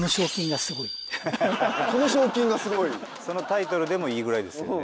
そのタイトルでもいいぐらいですよね。